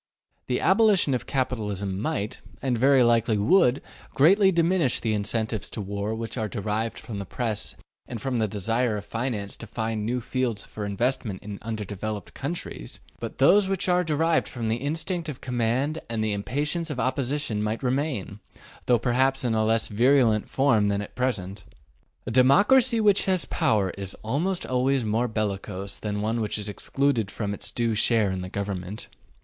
The abolition of capitalism might, and very likely would, greatly diminish the incentives to war which are derived from the Press and from the desire of finance to find new fields for investment in undeveloped countries, but those which are derived from the instinct of command and the impatience of opposition might remain, though perhaps in a less virulent form than at present. A democracy which has power is almost always more bellicose than one which is excluded from its due share in the government.